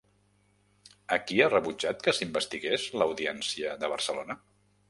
A qui ha rebutjat que s'investigués l'Audiència de Barcelona?